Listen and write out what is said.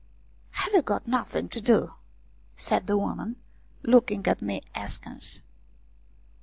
" Have you got nothing to do ?" said the woman, looking at me askance.